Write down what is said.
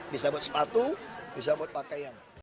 bisa buat sepatu bisa buat pakaian